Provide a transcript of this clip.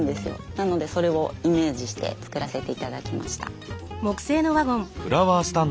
なのでそれをイメージして作らせて頂きました。